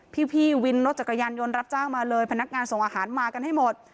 พี่วินรถจักรยานยนต์รับจ้างมาเลยพนักงานส่งอาหารมากันให้หมด